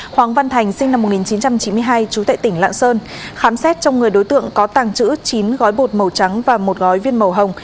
hoàng văn thành sinh năm một nghìn chín trăm chín mươi hai trú tại tỉnh lạng sơn khám xét trong người đối tượng có tàng trữ chín gói bột màu trắng và một gói viên màu hồng